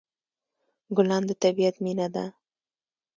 ګلان د طبیعت مینه ده.